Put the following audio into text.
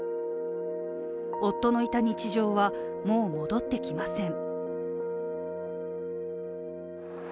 夫のいた日常はもう戻ってきません。